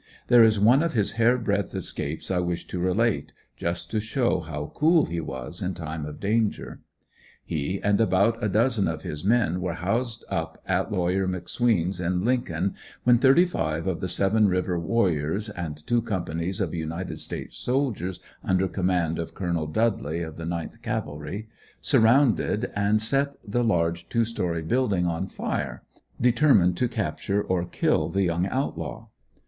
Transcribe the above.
There is one of his hair breadth escapes I wish to relate, just to show how cool he was in time of danger. He and about a dozen of his men were housed up at lawyer McSween's in Lincoln, when thirty five of the Seven River "warriors" and two companies of United States Soldiers under command of Col. Dudly of the Ninth Cavalry, surrounded and set the large two story building on fire, determined to capture or kill the young outlaw.